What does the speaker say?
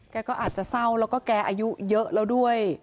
ก็อาจจะเศร้าแล้วก็แกอายุเยอะแล้วด้วย